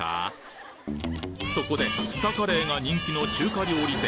そこでスタカレーが人気の中華料理店